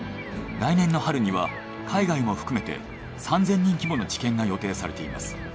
来年の春には海外も含めて３，０００人規模の治験が予定されています。